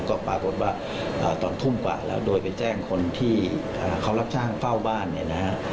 ก็ปรากฏว่าตอนทุ่มกว่าแล้วโดยไปแจ้งคนที่เขารับจ้างเฝ้าบ้านเนี่ยนะฮะ